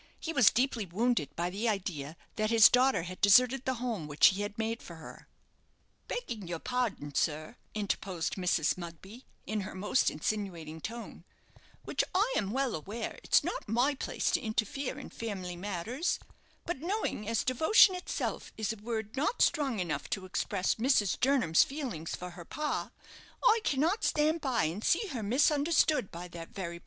He was deeply wounded by the idea that his daughter had deserted the home which he had made for her. "Begging your pardon, sir," interposed Mrs. Mugby, in her most insinuating tone, "which I am well aware it's not my place to interfere in family matters; but knowing as devotion itself is a word not strong enough to express Mrs. Jernam's feelings for her pa, I cannot stand by and see her misunderstood by that very pa.